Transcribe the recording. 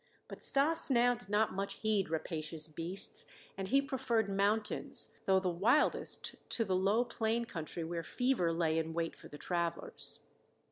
But Stas now did not much heed rapacious beasts, and he preferred mountains, though the wildest, to the low plain country where fever lay in wait for travelers.